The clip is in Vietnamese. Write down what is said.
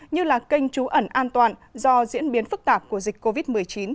như là kênh trú ẩn an toàn do diễn biến phức tạp của dịch covid một mươi chín